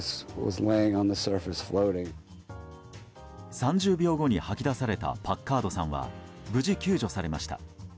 ３０秒後に吐き出されたパッカードさんは無事救助されました。